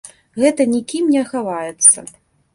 Гэта нікім не хаваецца.